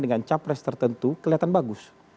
dengan capres tertentu kelihatan bagus